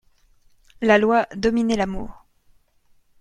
La Loi dominait l'amour.